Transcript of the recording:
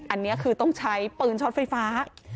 อันนี้คือต้องใช้ปืนช็อตไฟฟ้า